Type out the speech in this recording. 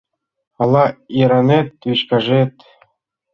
Ала йыраҥет вичкыжет